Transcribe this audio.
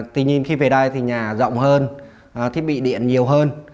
tuy nhiên khi về đây thì nhà rộng hơn thiết bị điện nhiều hơn